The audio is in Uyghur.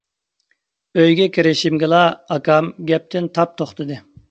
ئۆيگە كىرىشىمگىلا ئاكام گەپتىن تاپ توختىدى.